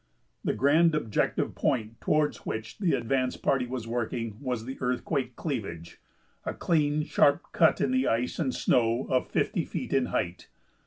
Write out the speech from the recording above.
The grand objective point toward which the advance party was working was the earthquake cleavage a clean, sharp cut in the ice and snow of fifty feet in height.